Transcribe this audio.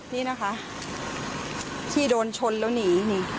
นี่นะคะที่โดนชนแล้วหนี